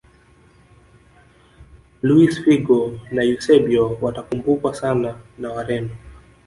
luis figo na eusebio watakumbukwa sana na wareno